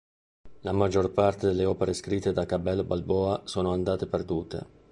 La maggior parte delle opere scritte da Cabello Balboa sono andate perdute.